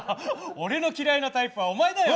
俺の嫌いなタイプはお前だよ。